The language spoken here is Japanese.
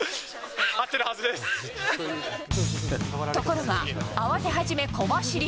ところが、慌て始め、小走り